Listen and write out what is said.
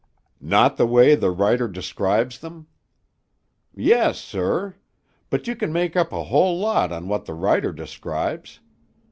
"Not the way the writer describes them?" "Yes, sir. But you can make up a whole lot on what the writer describes.